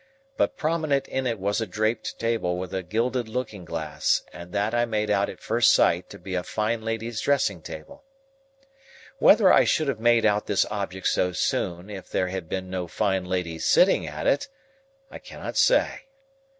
But prominent in it was a draped table with a gilded looking glass, and that I made out at first sight to be a fine lady's dressing table. Whether I should have made out this object so soon if there had been no fine lady sitting at it, I cannot say.